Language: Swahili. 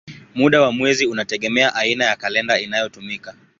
Muda wa mwezi unategemea aina ya kalenda inayotumika.